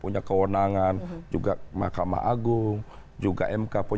punya kewenangan juga mahkamah agung juga mk